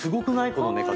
この寝方。